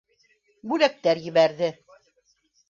Бүләктәр ебәрҙе.